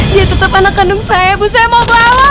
dia tetap anak kandung saya bu saya mau bawa